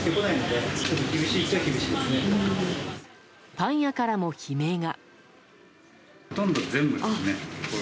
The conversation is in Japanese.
パン屋からも悲鳴が。